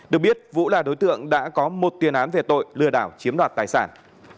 được biết vũ là đối tượng đã có một tiền án về tội lừa đảo chiếm đoạt tài sản